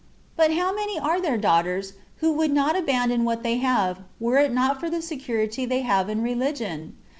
But how many are there, daughters, who would not abandon what they have, were it not for the security they have in religion?